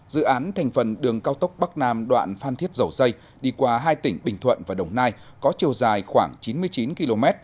dự án thành phần đường cao tốc bắc nam đoạn phan thiết dầu dây đi qua hai tỉnh bình thuận và đồng nai có chiều dài khoảng chín mươi chín km